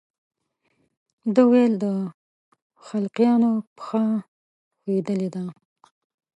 ده ویل د خلقیانو پښه ښویېدلې ده.